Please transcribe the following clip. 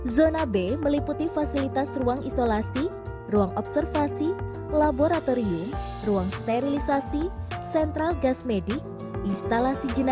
zona b meliputi fasilitas ruang isolasi ruang observasi laboratorium ruang sterilisasi